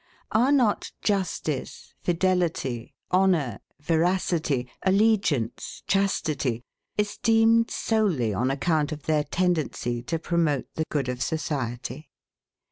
Are not justice, fidelity, honour, veracity, allegiance, chastity, esteemed solely on account of their tendency to promote the good of society?